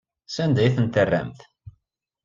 Sanda ay tent-terramt?